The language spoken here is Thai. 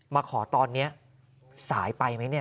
มาขอตอนนี้สายไปไหมเนี่ย